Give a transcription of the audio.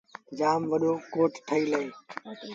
جآم وڏو ڪوٽ ٺهيٚل اهي۔